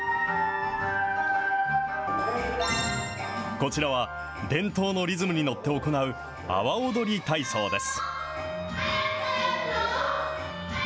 こちらは、伝統のリズムに乗って行う阿波踊り体操です。